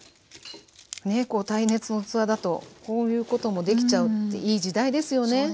耐熱の器だとこういうこともできちゃうっていい時代ですよね。